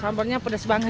sambalnya pedas banget